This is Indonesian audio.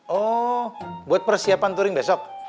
oh buat persiapan touring besok